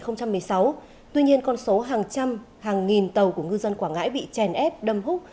năm hai nghìn một mươi sáu tuy nhiên con số hàng trăm hàng nghìn tàu của ngư dân quảng ngãi bị chèn ép đâm hút